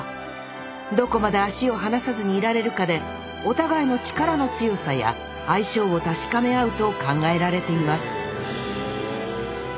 どこまで足を離さずにいられるかでお互いの力の強さや相性を確かめ合うと考えられています